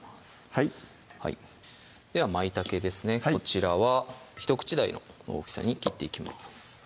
はいではまいたけですねこちらは１口大の大きさに切っていきます